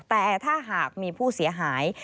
แต่ถ้าหากมีผู้เสียหาย